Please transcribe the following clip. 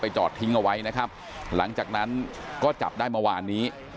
จอดทิ้งเอาไว้นะครับหลังจากนั้นก็จับได้เมื่อวานนี้